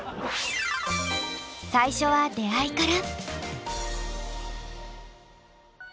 最初は出会いから。